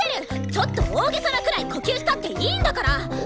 ちょっと大げさなくらい呼吸したっていいんだから！